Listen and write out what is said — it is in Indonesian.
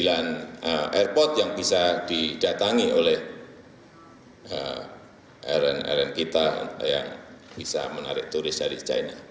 ada airport yang bisa didatangi oleh airline airline kita yang bisa menarik turis dari china